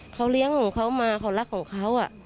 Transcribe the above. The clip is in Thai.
เขาเลี้ยงของเขามาเขารักของเขา